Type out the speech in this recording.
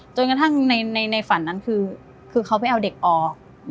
จนกระทั่งในฝันนั้นคือเขาไปเอาเด็กออก